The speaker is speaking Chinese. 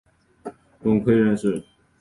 董槐人士。